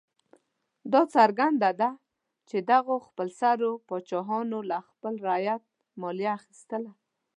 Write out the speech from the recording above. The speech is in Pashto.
دا څرګنده ده چې دغو خپلسرو پاچاهانو له خپل رعیت مالیه اخیستله.